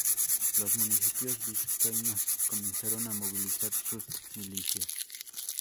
Los municipios vizcaínos comenzaron a movilizar sus milicias.